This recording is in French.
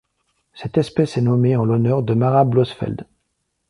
Cette espèce est nommée en l'honneur de Mara Blosfeld.